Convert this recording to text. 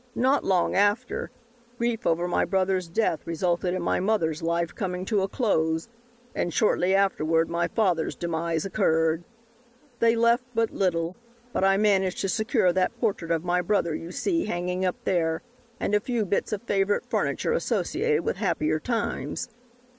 Not long after, grief over my brother's death resulted in my mother's life coming to a close, and shortly afterward my father's demise occurred. "They left but little, but I managed to secure that portrait of my brother you see hanging up there and a few bits of favorite furniture associated with happier times.